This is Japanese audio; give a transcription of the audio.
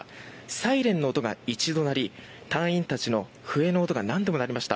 サイレンの音が１度鳴り隊員たちの笛の音が何度も鳴りました。